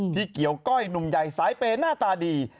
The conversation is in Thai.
เกี่ยวก้อยหนุ่มใหญ่สายเปย์หน้าตาดี